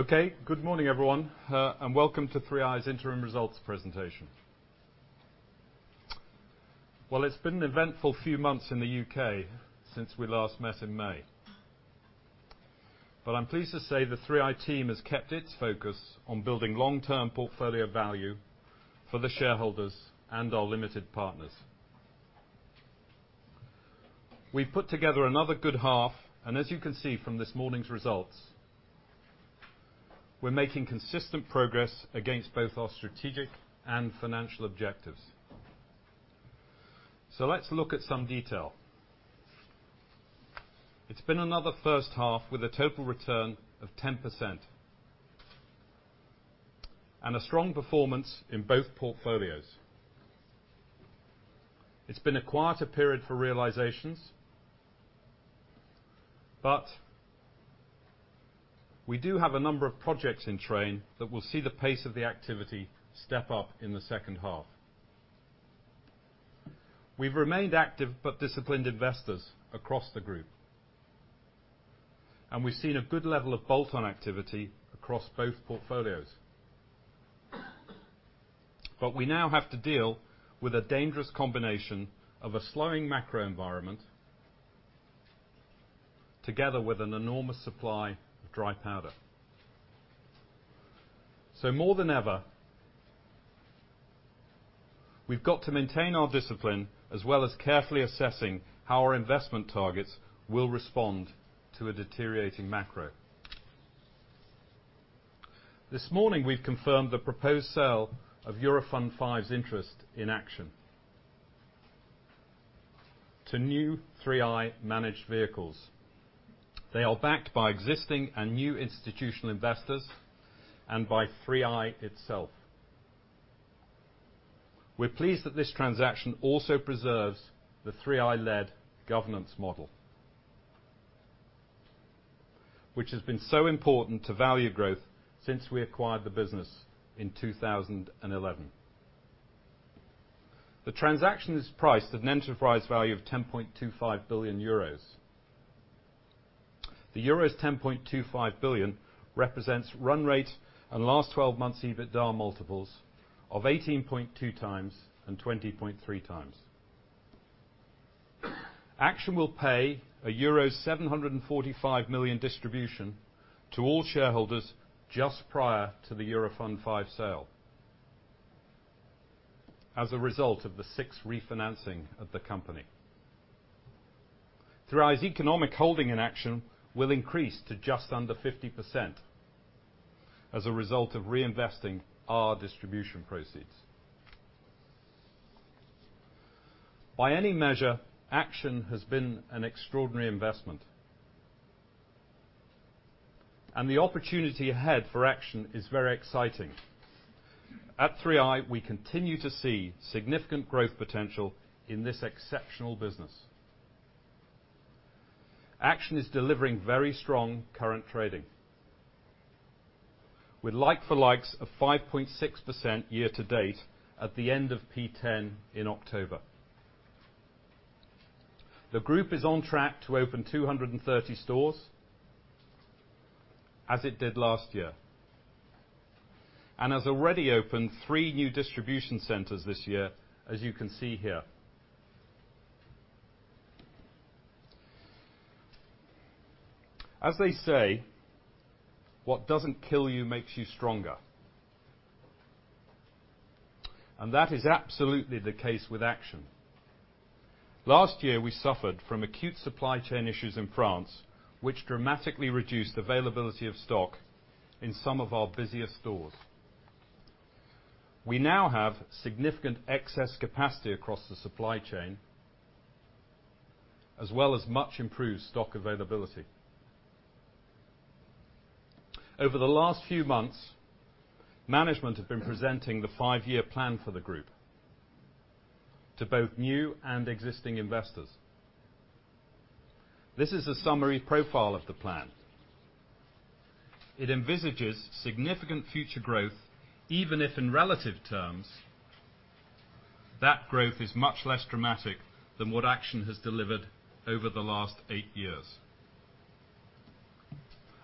Okay. Good morning, everyone, and welcome to 3i's interim results presentation. Well, it's been an eventful few months in the U.K. since we last met in May. I'm pleased to say the 3i team has kept its focus on building long-term portfolio value for the shareholders and our Limited Partners. We've put together another good half, and as you can see from this morning's results, we're making consistent progress against both our strategic and financial objectives. Let's look at some detail. It's been another first half with a total return of 10% and a strong performance in both portfolios. It's been a quieter period for realizations, but we do have a number of projects in train that will see the pace of the activity step up in the second half. We've remained active but disciplined investors across the group, and we've seen a good level of bolt-on activity across both portfolios. We now have to deal with a dangerous combination of a slowing macro environment together with an enormous supply of dry powder. More than ever, we've got to maintain our discipline as well as carefully assessing how our investment targets will respond to a deteriorating macro. This morning, we've confirmed the proposed sale of Eurofund V's interest in Action to new 3i-managed vehicles. They are backed by existing and new institutional investors and by 3i itself. We're pleased that this transaction also preserves the 3i-led governance model, which has been so important to value growth since we acquired the business in 2011. The transaction is priced at an enterprise value of €10.25 billion. The 10.25 billion represents run rate and last 12 months EBITDA multiples of 18.2 times and 20.3 times. Action will pay a euro 745 million distribution to all shareholders just prior to the Eurofund V sale as a result of the sixth refinancing of the company. 3i's economic holding in Action will increase to just under 50% as a result of reinvesting our distribution proceeds. By any measure, Action has been an extraordinary investment, and the opportunity ahead for Action is very exciting. At 3i, we continue to see significant growth potential in this exceptional business. Action is delivering very strong current trading with like for likes of 5.6% year to date at the end of P10 in October. The group is on track to open 230 stores as it did last year and has already opened three new distribution centers this year, as you can see here. As they say, what doesn't kill you makes you stronger, and that is absolutely the case with Action. Last year, we suffered from acute supply chain issues in France, which dramatically reduced availability of stock in some of our busiest stores. We now have significant excess capacity across the supply chain, as well as much improved stock availability. Over the last few months, management have been presenting the five-year plan for the group to both new and existing investors. This is a summary profile of the plan. It envisages significant future growth, even if in relative terms that growth is much less dramatic than what Action has delivered over the last eight years.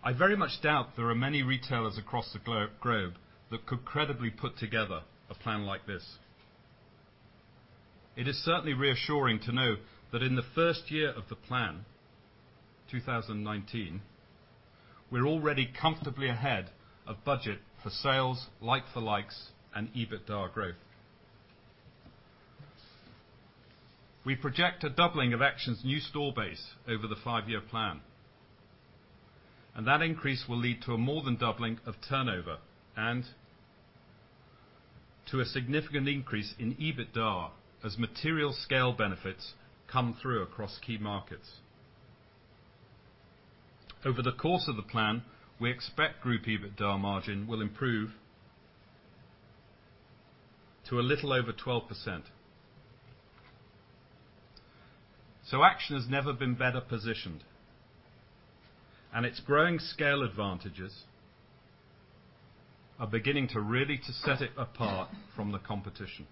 I very much doubt there are many retailers across the globe that could credibly put together a plan like this. It is certainly reassuring to know that in the first year of the plan, 2019, we're already comfortably ahead of budget for sales, like for likes, and EBITDA growth. That increase will lead to a more than doubling of turnover and to a significant increase in EBITDA as material scale benefits come through across key markets. Over the course of the plan, we expect group EBITDA margin will improve to a little over 12%. Action has never been better positioned, and its growing scale advantages are beginning to really to set it apart from the competition.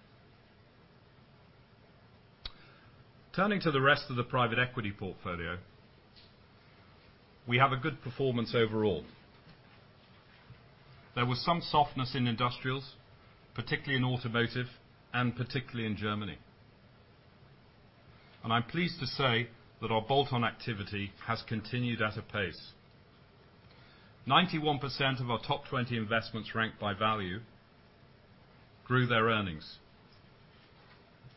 Turning to the rest of the private equity portfolio, we have a good performance overall. There was some softness in industrials, particularly in automotive and particularly in Germany. I'm pleased to say that our bolt-on activity has continued at a pace. 91% of our top 20 investments ranked by value grew their earnings.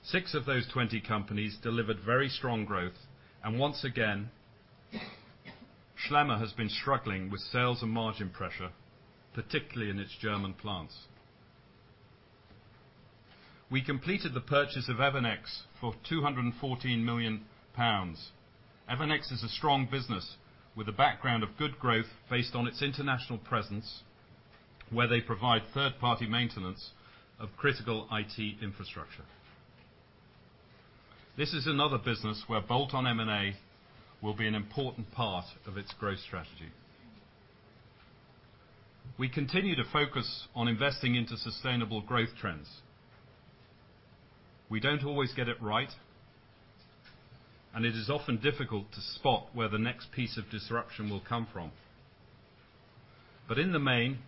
Six of those 20 companies delivered very strong growth, and once again, Schlemmer has been struggling with sales and margin pressure, particularly in its German plants. We completed the purchase of Evernex for 214 million pounds. Evernex is a strong business with a background of good growth based on its international presence, where they provide third-party maintenance of critical IT infrastructure. This is another business where bolt-on M&A will be an important part of its growth strategy. We continue to focus on investing into sustainable growth trends. We don't always get it right, and it is often difficult to spot where the next piece of disruption will come from. In the main,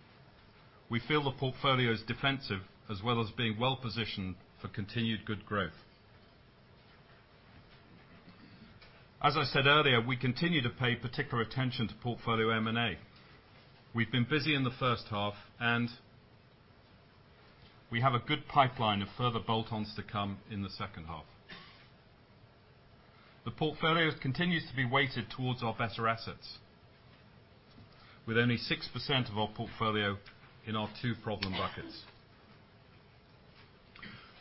we feel the portfolio is defensive, as well as being well-positioned for continued good growth. As I said earlier, we continue to pay particular attention to portfolio M&A. We've been busy in the first half, and we have a good pipeline of further bolt-ons to come in the second half. The portfolio continues to be weighted towards our better assets, with only 6% of our portfolio in our two problem buckets.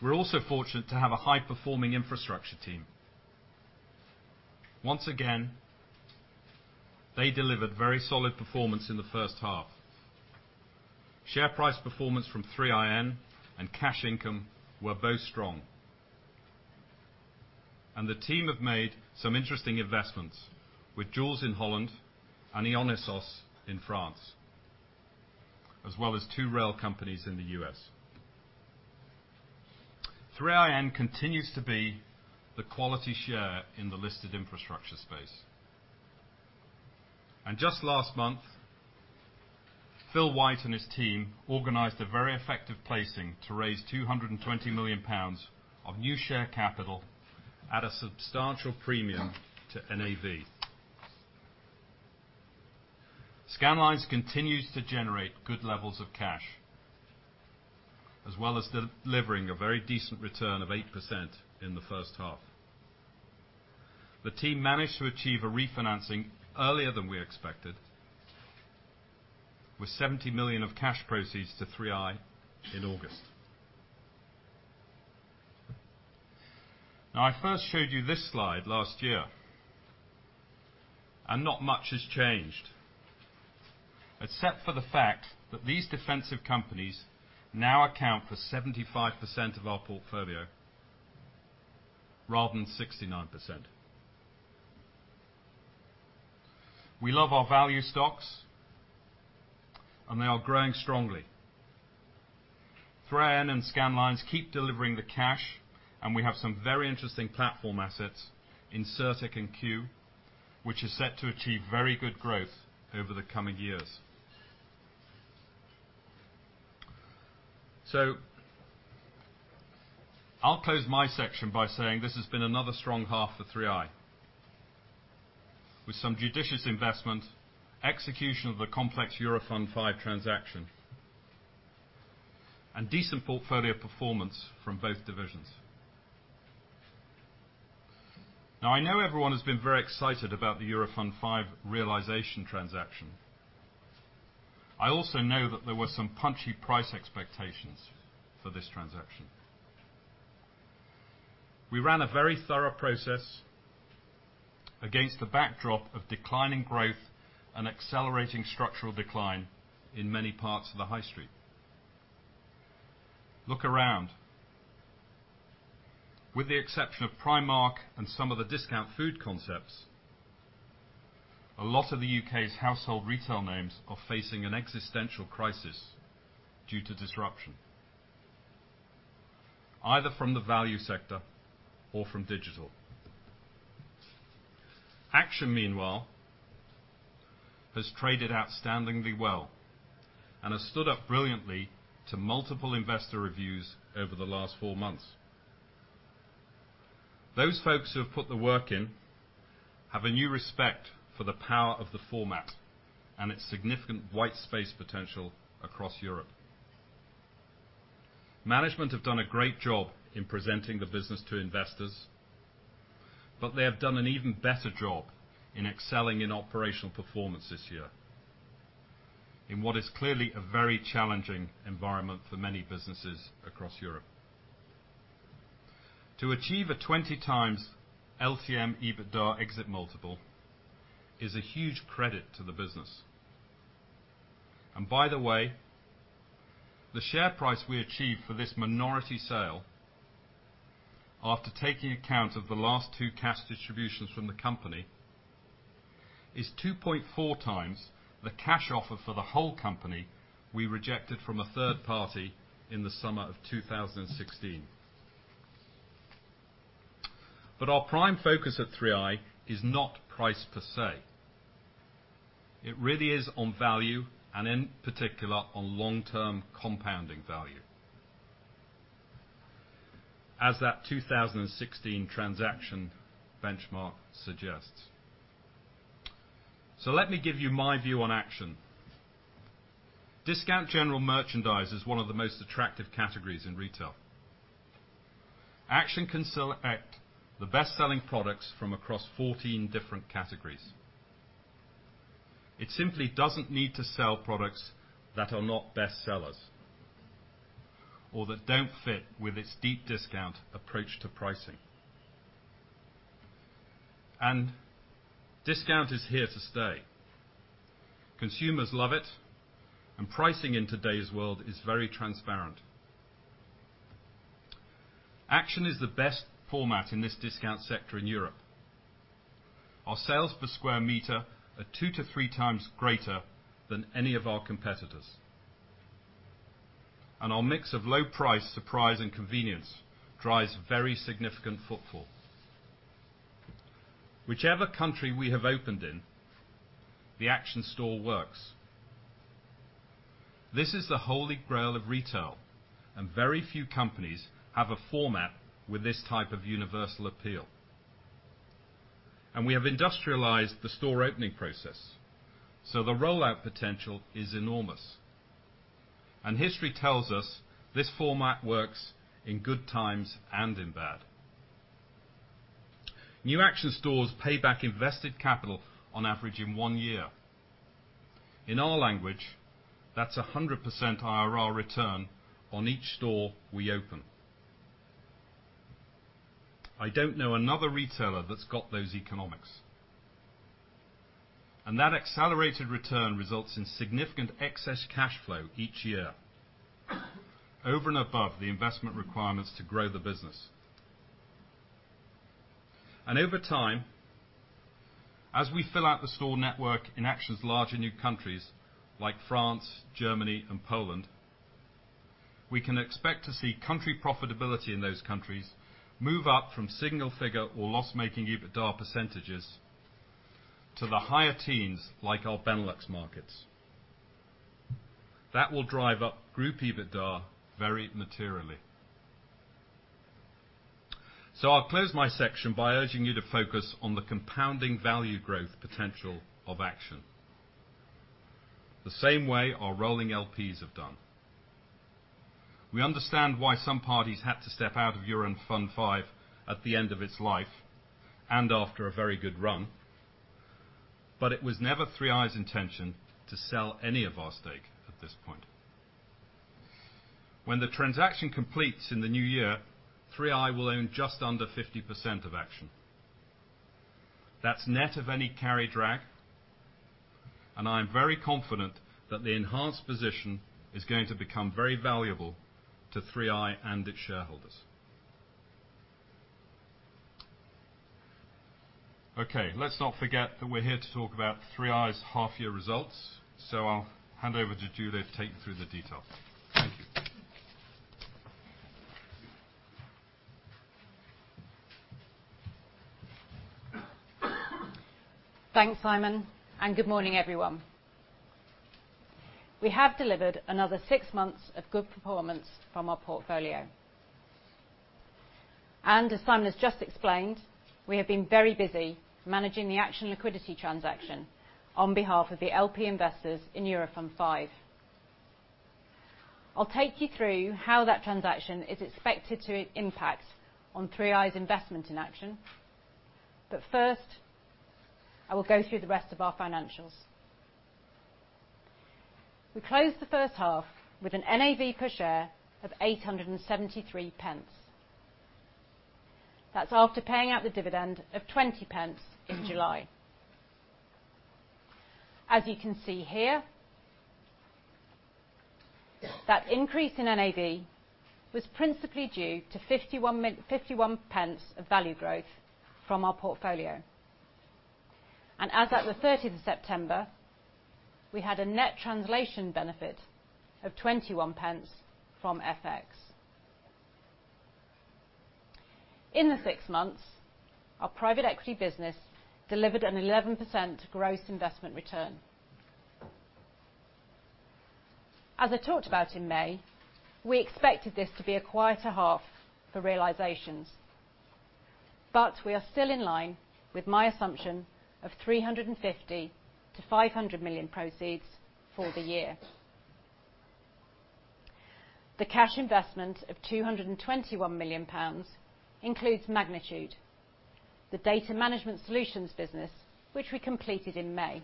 We're also fortunate to have a high-performing infrastructure team. Once again, they delivered very solid performance in the first half. Share price performance from 3iN and cash income were both strong. The team have made some interesting investments with Joulz in Holland and Ionisos in France, as well as two rail companies in the U.S. 3iN continues to be the quality share in the listed infrastructure space. Just last month, Phil White and his team organized a very effective placing to raise 220 million pounds of new share capital at a substantial premium to NAV. Scandlines continues to generate good levels of cash, as well as delivering a very decent return of 8% in the first half. The team managed to achieve a refinancing earlier than we expected, with 70 million of cash proceeds to 3i in August. I first showed you this slide last year, and not much has changed. Except for the fact that these defensive companies now account for 75% of our portfolio, rather than 69%. We love our value stocks, and they are growing strongly. 3iN and Scandlines keep delivering the cash, and we have some very interesting platform assets in Cirtec and Q, which are set to achieve very good growth over the coming years. I'll close my section by saying this has been another strong half for 3i, with some judicious investment, execution of the complex Eurofund V transaction, and decent portfolio performance from both divisions. I know everyone has been very excited about the Eurofund V realization transaction. I also know that there were some punchy price expectations for this transaction. We ran a very thorough process against the backdrop of declining growth and accelerating structural decline in many parts of the High Street. Look around. With the exception of Primark and some of the discount food concepts, a lot of the U.K.'s household retail names are facing an existential crisis due to disruption, either from the value sector or from digital. Action, meanwhile, has traded outstandingly well and has stood up brilliantly to multiple investor reviews over the last four months. Those folks who have put the work in have a new respect for the power of the format and its significant white space potential across Europe. Management have done a great job in presenting the business to investors, but they have done an even better job in excelling in operational performance this year in what is clearly a very challenging environment for many businesses across Europe. To achieve a 20x LTM EBITDA exit multiple is a huge credit to the business. By the way, the share price we achieved for this minority sale, after taking account of the last two cash distributions from the company is 2.4x the cash offer for the whole company we rejected from a third party in the summer of 2016. Our prime focus at 3i is not price per se. It really is on value, and in particular, on long-term compounding value, as that 2016 transaction benchmark suggests. Let me give you my view on Action. Discount general merchandise is one of the most attractive categories in retail. Action can select the best-selling products from across 14 different categories. It simply doesn't need to sell products that are not best sellers or that don't fit with its deep discount approach to pricing. Discount is here to stay. Consumers love it, and pricing in today's world is very transparent. Action is the best format in this discount sector in Europe. Our sales per square meter are two to three times greater than any of our competitors. Our mix of low price, surprise, and convenience drives very significant footfall. Whichever country we have opened in, the Action store works. This is the holy grail of retail, very few companies have a format with this type of universal appeal. We have industrialized the store opening process, so the rollout potential is enormous. History tells us this format works in good times and in bad. New Action stores pay back invested capital on average in one year. In our language, that's 100% IRR return on each store we open. I don't know another retailer that's got those economics. That accelerated return results in significant excess cash flow each year, over and above the investment requirements to grow the business. Over time, as we fill out the store network in Action's larger new countries, like France, Germany, and Poland, we can expect to see country profitability in those countries move up from single figure or loss-making EBITDA percentages to the higher teens, like our Benelux markets. That will drive up group EBITDA very materially. I'll close my section by urging you to focus on the compounding value growth potential of Action, the same way our rolling LPs have done. We understand why some parties had to step out of Eurofund V at the end of its life and after a very good run, but it was never 3i's intention to sell any of our stake at this point. When the transaction completes in the new year, 3i will own just under 50% of Action. That's net of any carry drag, and I'm very confident that the enhanced position is going to become very valuable to 3i and its shareholders. Okay, let's not forget that we're here to talk about 3i's half year results, so I'll hand over to Judith to take you through the details. Thank you. Thanks, Simon, good morning, everyone. We have delivered another six months of good performance from our portfolio. As Simon has just explained, we have been very busy managing the Action liquidity transaction on behalf of the LP investors in Eurofund V. I'll take you through how that transaction is expected to impact on 3i's investment in Action. First, I will go through the rest of our financials. We closed the first half with an NAV per share of 8.73. That's after paying out the dividend of 0.20 in July. As you can see here, that increase in NAV was principally due to 0.51 of value growth from our portfolio. As at the 30th of September, we had a net translation benefit of 0.21 from FX. In the six months, our private equity business delivered an 11% gross investment return. As I talked about in May, we expected this to be a quieter half for realizations, but we are still in line with my assumption of 350 million to 500 million proceeds for the year. The cash investment of 221 million pounds includes Magnitude, the data management solutions business, which we completed in May.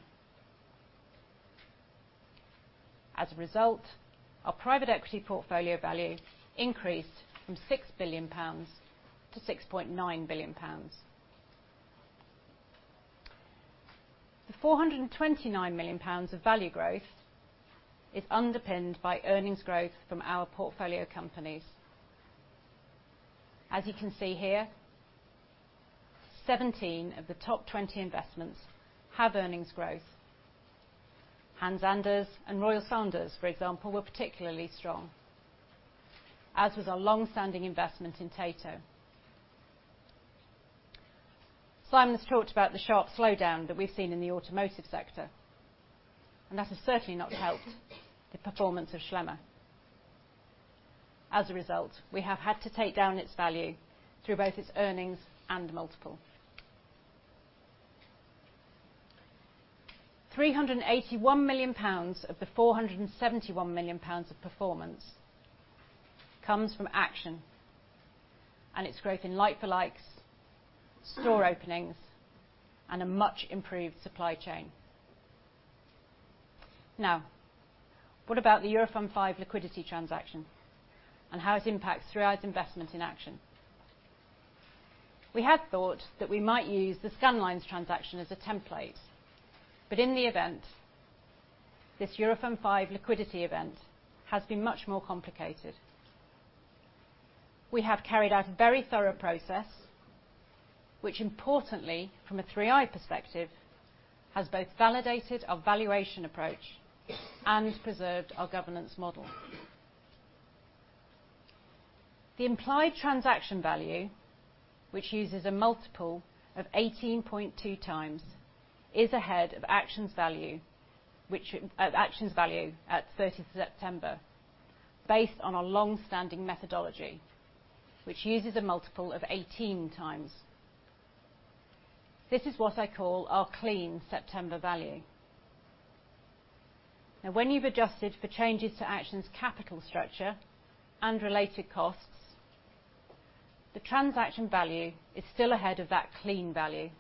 As a result, our private equity portfolio value increased from 6 billion pounds to 6.9 billion pounds. The 429 million pounds of value growth is underpinned by earnings growth from our portfolio companies. As you can see here, 17 of the top 20 investments have earnings growth. Hans Anders and Royal Sanders, for example, were particularly strong, as was our longstanding investment in Tata. Simon's talked about the sharp slowdown that we've seen in the automotive sector, that has certainly not helped the performance of Schlemmer. As a result, we have had to take down its value through both its earnings and multiple. 381 million pounds of the 471 million pounds of performance comes from Action and its growth in like for likes, store openings, and a much improved supply chain. Now, what about the Eurofund V liquidity transaction and how it impacts 3i's investment in Action? We had thought that we might use the Scandlines transaction as a template, but in the event, this Eurofund V liquidity event has been much more complicated. We have carried out a very thorough process, which importantly, from a 3i perspective, has both validated our valuation approach and preserved our governance model. The implied transaction value, which uses a multiple of 18.2 times, is ahead of Action's value at 30th September, based on our longstanding methodology, which uses a multiple of 18 times. This is what I call our clean September value. Now when you've adjusted for changes to Action's capital structure and related costs, the transaction value is still ahead of that clean value,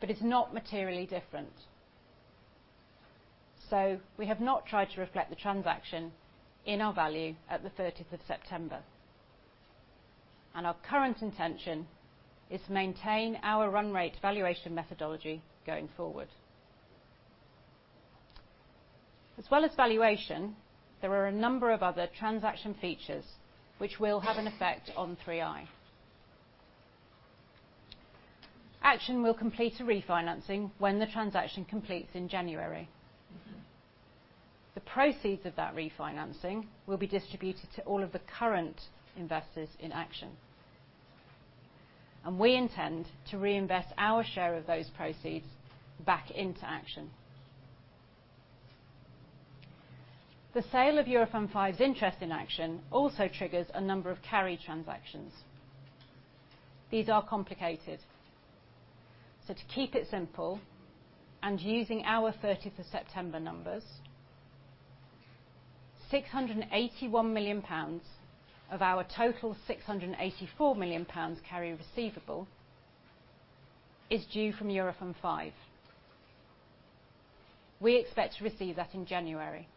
but is not materially different. We have not tried to reflect the transaction in our value at the 30th of September. Our current intention is to maintain our run rate valuation methodology going forward. As well as valuation, there are a number of other transaction features which will have an effect on 3i. Action will complete a refinancing when the transaction completes in January. The proceeds of that refinancing will be distributed to all of the current investors in Action. We intend to reinvest our share of those proceeds back into Action. The sale of Eurofund V's interest in Action also triggers a number of carry transactions. These are complicated. To keep it simple, and using our 30th of September numbers, 681 million pounds of our total 684 million pounds carry receivable is due from Eurofund V. We expect to receive that in January.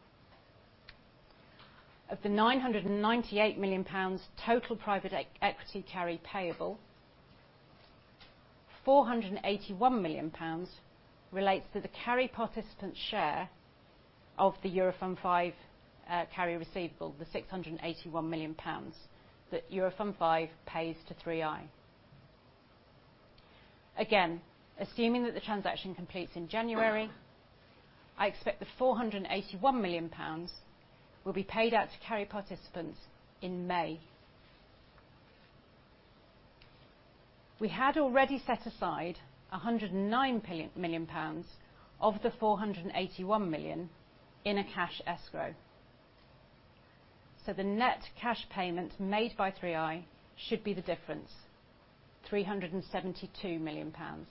Of the 998 million pounds total private equity carry payable, 481 million pounds relates to the carry participant share of the Eurofund V carry receivable, the 681 million pounds that Eurofund V pays to 3i. Again, assuming that the transaction completes in January, I expect the 481 million pounds will be paid out to carry participants in May. We had already set aside 109 million pounds of the 481 million in a cash escrow. The net cash payment made by 3i should be the difference, 372 million pounds.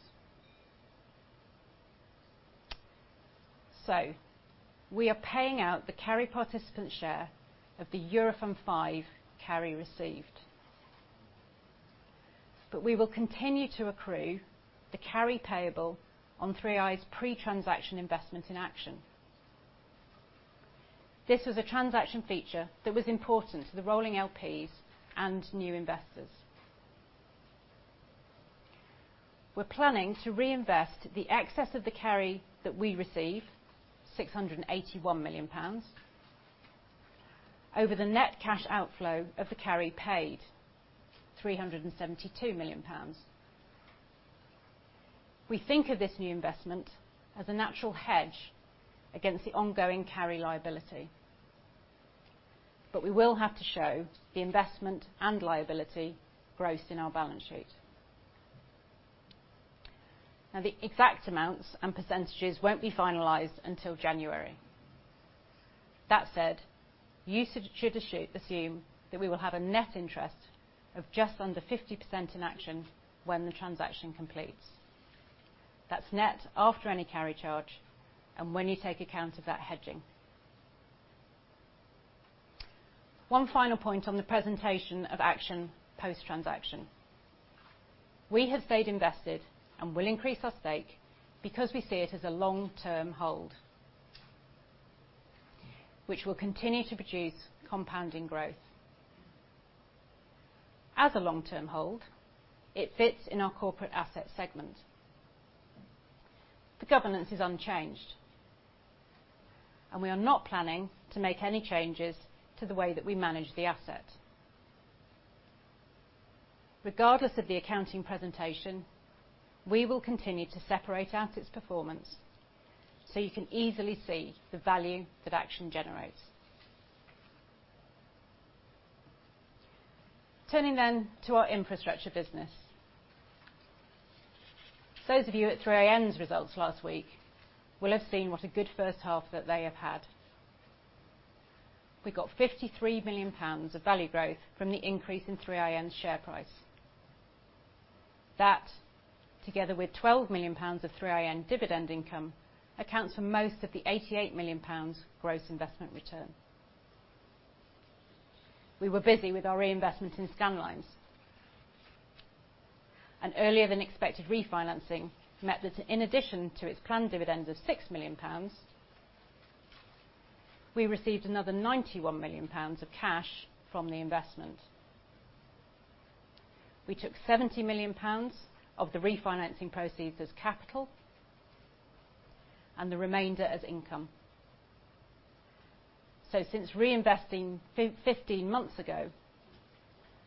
We are paying out the carry participant share of the Eurofund V carry received. We will continue to accrue the carry payable on 3i's pre-transaction investment in Action. This was a transaction feature that was important to the rolling LPs and new investors. We're planning to reinvest the excess of the carry that we receive, 681 million pounds, over the net cash outflow of the carry paid, 372 million pounds. We think of this new investment as a natural hedge against the ongoing carry liability. We will have to show the investment and liability gross in our balance sheet. The exact amounts and % won't be finalized until January. That said, you should assume that we will have a net interest of just under 50% in Action when the transaction completes. That's net after any carry charge and when you take account of that hedging. One final point on the presentation of Action post-transaction. We have stayed invested and will increase our stake because we see it as a long-term hold, which will continue to produce compounding growth. As a long-term hold, it fits in our corporate asset segment. The governance is unchanged, and we are not planning to make any changes to the way that we manage the asset. Regardless of the accounting presentation, we will continue to separate out its performance so you can easily see the value that Action generates. Turning to our infrastructure business. Those of you at 3iN's results last week will have seen what a good first half that they have had. We got 53 million pounds of value growth from the increase in 3iN's share price. That, together with 12 million pounds of 3iN dividend income, accounts for most of the 88 million pounds gross investment return. We were busy with our reinvestment in Scandlines. An earlier-than-expected refinancing meant that in addition to its planned dividends of 6 million pounds, we received another 91 million pounds of cash from the investment. We took 70 million pounds of the refinancing proceeds as capital and the remainder as income. Since reinvesting 15 months ago,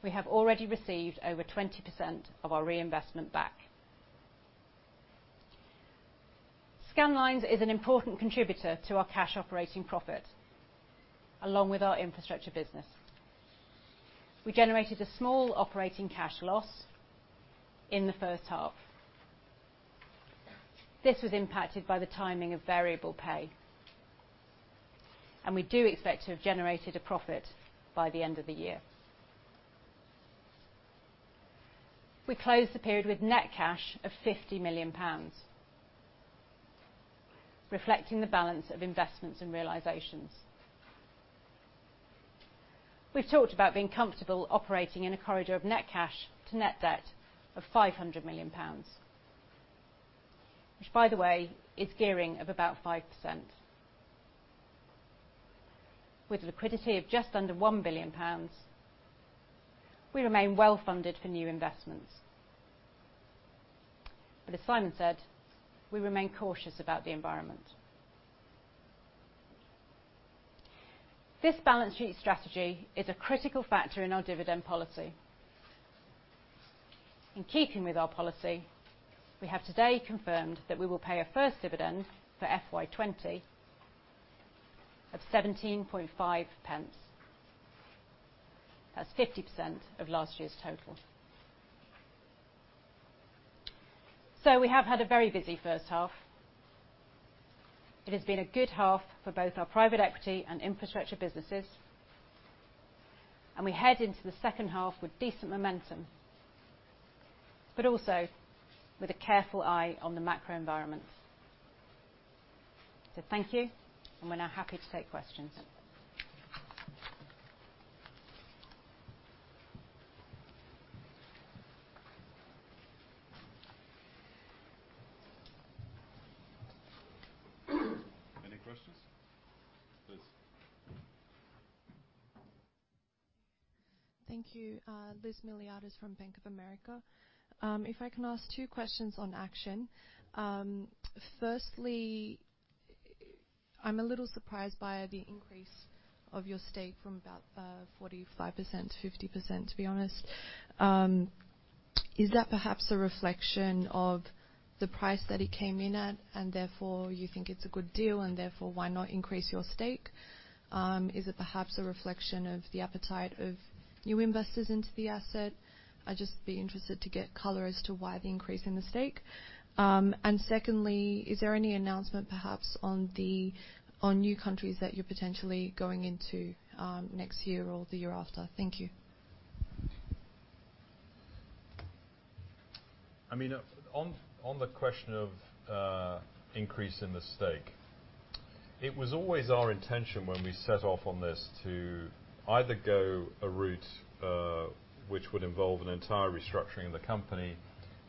we have already received over 20% of our reinvestment back. Scandlines is an important contributor to our cash operating profit, along with our infrastructure business. We generated a small operating cash loss in the first half. This was impacted by the timing of variable pay, and we do expect to have generated a profit by the end of the year. We closed the period with net cash of 50 million pounds, reflecting the balance of investments and realizations. We've talked about being comfortable operating in a corridor of net cash to net debt of 500 million pounds, which, by the way, is gearing of about 5%. With liquidity of just under 1 billion pounds, we remain well-funded for new investments. As Simon said, we remain cautious about the environment. This balance sheet strategy is a critical factor in our dividend policy. In keeping with our policy, we have today confirmed that we will pay a first dividend for FY 2020 of GBP 0.175. That's 50% of last year's total. We have had a very busy first half. It has been a good half for both our private equity and infrastructure businesses, and we head into the second half with decent momentum, but also with a careful eye on the macro environment. Thank you. We're now happy to take questions. Any questions? Please. Thank you. Liz Miliatis from Bank of America. If I can ask two questions on Action. Firstly, I'm a little surprised by the increase of your stake from about 45% to 50%, to be honest. Is that perhaps a reflection of the price that it came in at, and therefore you think it's a good deal, and therefore why not increase your stake? Is it perhaps a reflection of the appetite of new investors into the asset? I'd just be interested to get color as to why the increase in the stake. Secondly, is there any announcement perhaps on new countries that you're potentially going into next year or the year after? Thank you. On the question of increase in the stake, it was always our intention when we set off on this to either go a route which would involve an entire restructuring of the company,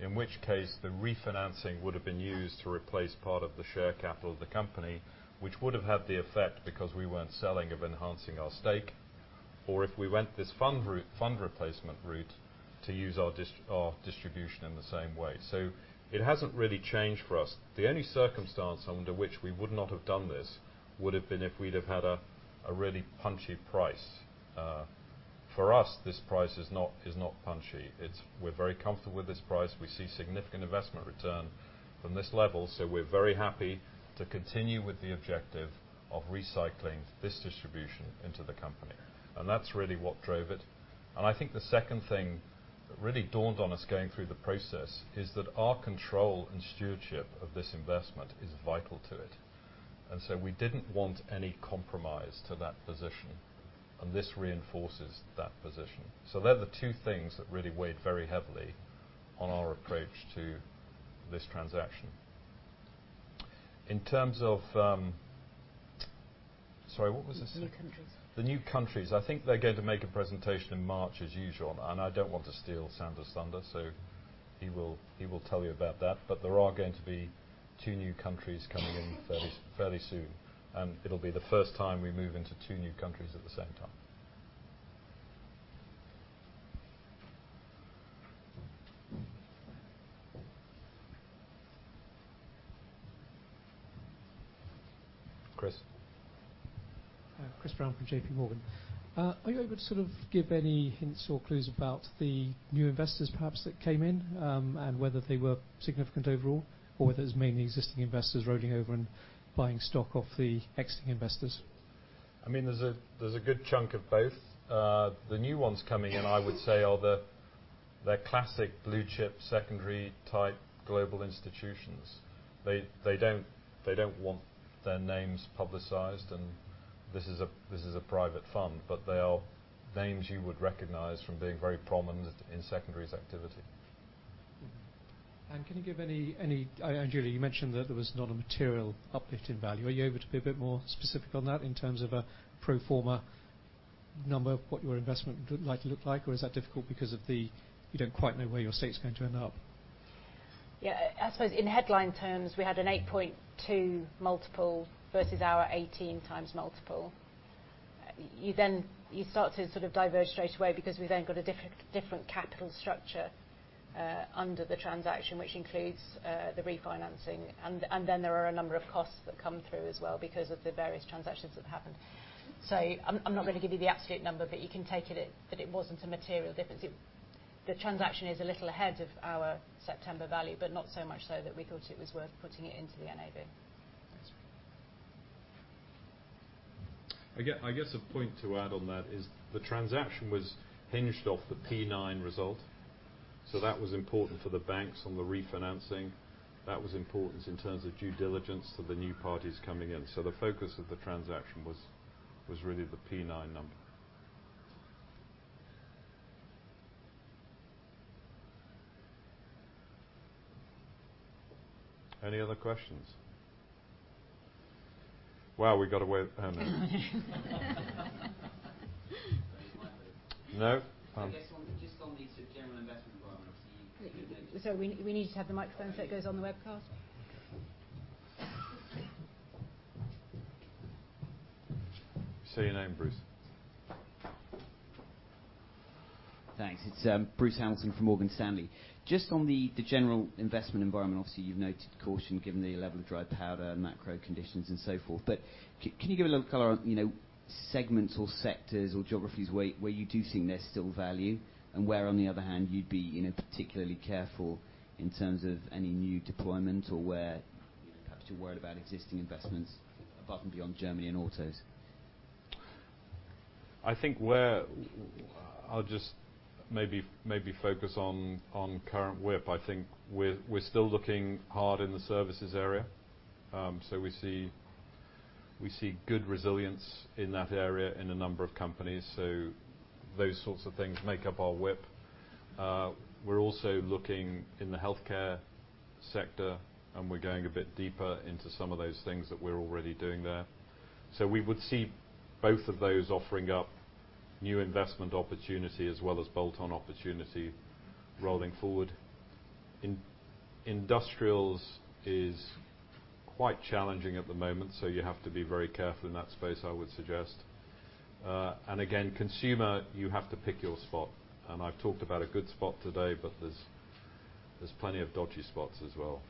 in which case the refinancing would have been used to replace part of the share capital of the company, which would have had the effect, because we weren't selling, of enhancing our stake, or if we went this fund replacement route to use our distribution in the same way. It hasn't really changed for us. The only circumstance under which we would not have done this would have been if we'd have had a really punchy price. For us, this price is not punchy. We're very comfortable with this price. We see significant investment return from this level, so we're very happy to continue with the objective of recycling this distribution into the company. That's really what drove it. I think the second thing that really dawned on us going through the process is that our control and stewardship of this investment is vital to it. We didn't want any compromise to that position. This reinforces that position. They're the two things that really weighed very heavily on our approach to this transaction. In terms of Sorry, what was the second- The new countries. The new countries. I think they're going to make a presentation in March as usual, and I don't want to steal Sander's thunder, so he will tell you about that. There are going to be two new countries coming in fairly soon, and it'll be the first time we move into two new countries at the same time. Chris? Chris Brown from JP Morgan. Are you able to sort of give any hints or clues about the new investors perhaps that came in, and whether they were significant overall, or whether it's mainly existing investors rolling over and buying stock off the exiting investors? There's a good chunk of both. The new ones coming in, I would say, are the classic blue-chip, secondary-type global institutions. They don't want their names publicized, and this is a private fund, but they are names you would recognize from being very prominent in secondaries activity. Julia, you mentioned that there was not a material uplift in value. Are you able to be a bit more specific on that in terms of a pro forma number, what your investment looked like to look like? Or is that difficult because you don't quite know where your stake's going to end up? Yeah. I suppose in headline terms, we had an 8.2x multiple versus our 18x multiple. You start to sort of diverge straight away because we've then got a different capital structure under the transaction, which includes the refinancing. There are a number of costs that come through as well because of the various transactions that happened. I'm not going to give you the absolute number, but you can take it that it wasn't a material difference. The transaction is a little ahead of our September value, but not so much so that we thought it was worth putting it into the NAV. That's fine. I guess a point to add on that is the transaction was hinged off the P9 result. That was important for the banks on the refinancing. That was important in terms of due diligence for the new parties coming in. The focus of the transaction was really the P9 number. Any other questions? Wow, we got away. No. Just on the general investment environment. We need to have the microphone so it goes on the webcast. Say your name, Bruce. Thanks. It's Bruce Hamilton from Morgan Stanley. Just on the general investment environment, obviously, you've noted caution given the level of dry powder, macro conditions, and so forth. Can you give a little color on segments or sectors or geographies where you do think there's still value? Where, on the other hand, you'd be particularly careful in terms of any new deployment or where perhaps you're worried about existing investments above and beyond Germany and autos? I think I'll just maybe focus on current WIP. I think we're still looking hard in the services area. We see good resilience in that area in a number of companies. Those sorts of things make up our WIP. We're also looking in the healthcare sector, and we're going a bit deeper into some of those things that we're already doing there. We would see both of those offering up new investment opportunity as well as bolt-on opportunity rolling forward. Industrials is quite challenging at the moment, so you have to be very careful in that space, I would suggest. Again, consumer, you have to pick your spot. I've talked about a good spot today, but there's plenty of dodgy spots as well.